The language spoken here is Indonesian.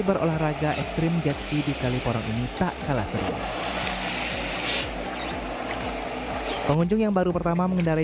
berolahraga ekstrim jetski di kaliporong ini tak kalah seru pengunjung yang baru pertama mengendarai